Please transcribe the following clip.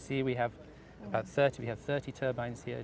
seperti yang anda lihat kita memiliki tiga puluh turbine di sini